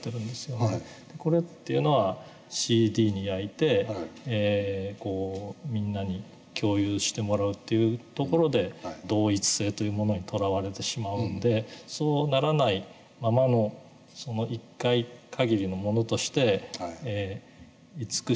これっていうのはＣＤに焼いてみんなに共有してもらうというところで同一性というものにとらわれてしまうんでそうならないままのどうですか？